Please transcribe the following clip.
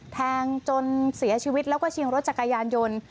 แทงจนเสียชีวิตแล้วก็ชิงรถจักรยานยนต์